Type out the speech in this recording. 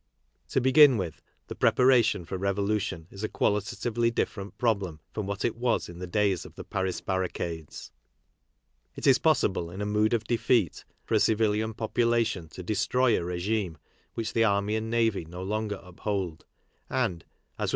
To begin with, the preparation for revolution is a qualitatively different problem from what it was in the days of the Paris barricades. It is possible in a mood of defeat for a civilian population to destroy a regime which the army and navy no longer uphold, and, as was .